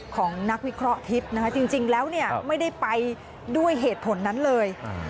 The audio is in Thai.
ของนักวิเคราะห์ฮิปฯจริงแล้วไม่ได้ไปด้วยเหตุผลนั้นเลย